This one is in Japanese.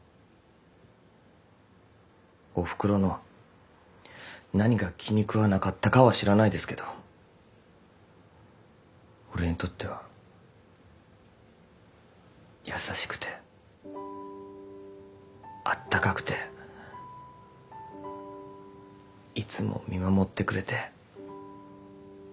おふくろの何が気に食わなかったかは知らないですけど俺にとっては優しくてあったかくていつも見守ってくれて。